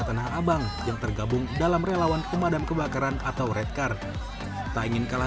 jalan danau abang yang tergabung dalam relawan pemadam kebakaran atau redcard tak ingin kalah